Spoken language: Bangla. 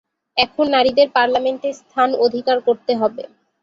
এখন নারীদের পার্লামেন্টে স্থান অধিকার করতে হবে।